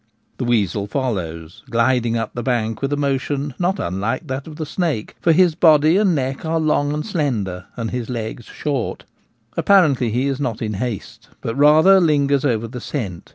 The weasel follows, gliding up the bank with a motion not unlike that of the snake ; for his body and neck arejjlong and slender and his legs short. Apparently he is not in haste, but rather lingers over the scent.